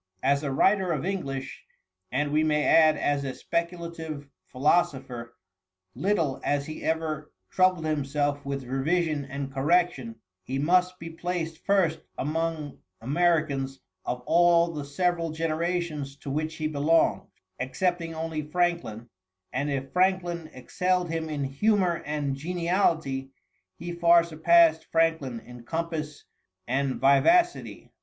As a writer of English and we may add as a speculative philosopher little as he ever troubled himself with revision and correction, he must be placed first among Americans of all the several generations to which he belonged, excepting only Franklin; and if Franklin excelled him in humor and geniality, he far surpassed Franklin in compass and vivacity.